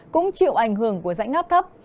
cũng chịu ảnh hưởng của dãy ngáp thấp